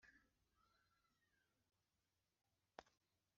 koresha neza amagambo akurikira